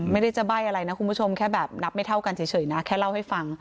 ไม่ได้จะใบ้อะไรนะคุณผู้ชมแค่แบบนับไม่เท่ากันเฉยนะแค่เล่าให้ฟัง